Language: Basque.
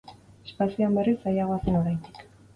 Espazioan, berriz, zailagoa zen oraindik.